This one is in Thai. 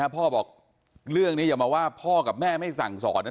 พ่อบอกเรื่องนี้อย่ามาว่าพ่อกับแม่ไม่สั่งสอนนะ